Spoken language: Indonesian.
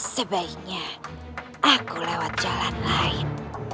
sebaiknya aku lewat jalan lain